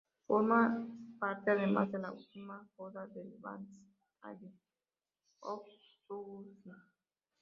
Forma parte, además, de la última joya del Vans Triple Crown of Surfing.